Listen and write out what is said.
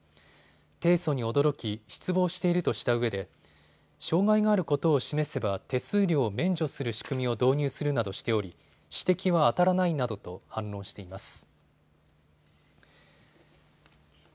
提訴に驚き、失望しているとしたうえで障害があることを示せば手数料を免除する仕組みを導入するなどしており指摘はあたらないなどと反論しています。